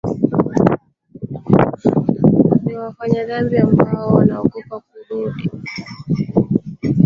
ni wafanya madhabi zaidi ambao wanaogopa kurudi